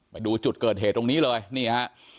มาดูจุดเกิดเหตุตรงนี้เลยนี่ฮะ